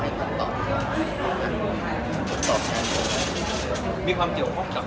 แต่เป็นสม่านตอนนี้คุณได้รับปรับ